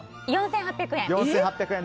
４８００円。